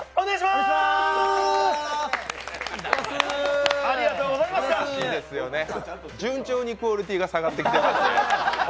すばらしいですよね、順調にクオリティーが下がってきてます。